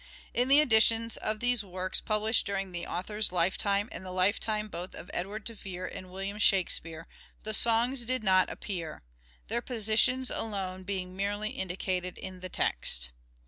In the editions of these works published during the authoi's lifetime and the lifetime both of Edward de Vere and William Shakspere, the songs did not appear ; their positions alone being merely indicated in the text.